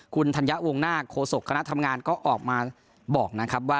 คุณธัญวงนาคโฆษกคณะทำงานก็ออกมาบอกนะครับว่า